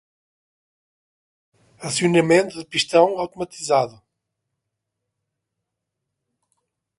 Acionamento de pistão automatizado